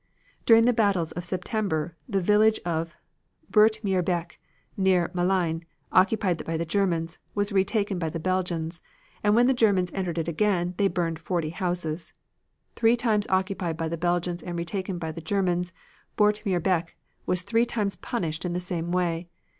During the battles of September the village of Boortmeerbeek near Malines, occupied by the Germans, was retaken by the Belgians, and when the Germans entered it again they burned forty houses. Three times occupied by the Belgians and retaken by the Germans Boortmeerbeek was three times punished in the same way.